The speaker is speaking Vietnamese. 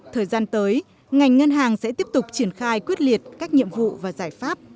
thời gian tới ngành ngân hàng sẽ tiếp tục triển khai quyết liệt các nhiệm vụ và giải pháp